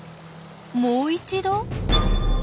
もう一度。